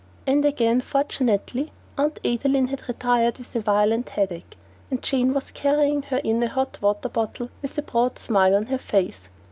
And again, fortunately, Aunt Adeline had retired with a violent headache, and Jane was carrying her in a hot water bottle with a broad smile on her face.